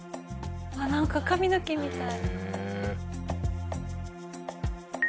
なんか髪の毛みたい。